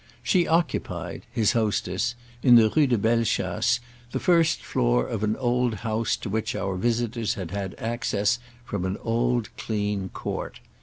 She occupied, his hostess, in the Rue de Bellechasse, the first floor of an old house to which our visitors had had access from an old clean court.